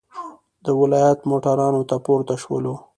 د ولایت موټرانو ته پورته شولو.